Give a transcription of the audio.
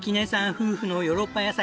夫婦のヨーロッパ野菜。